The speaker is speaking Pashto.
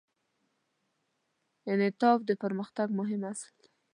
انعطاف د پرمختګ مهم اصل دی.